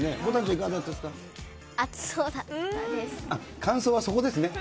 感想はそこですね。